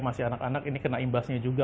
masih anak anak ini kena imbasnya juga